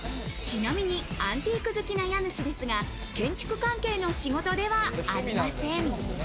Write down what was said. ちなみにアンティーク好きな家主ですが、建築関係の仕事ではありません。